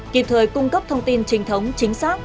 kịp thời cung cấp thông tin trinh thống chính xác